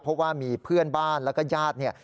เพราะว่ามีเพื่อนบ้านและก็ญาติ